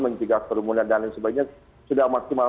mencegah kerumunan dan lain sebagainya sudah maksimal